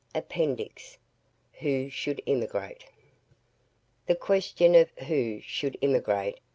APPENDIX WHO SHOULD EMIGRATE? The question of "Who should emigrate?"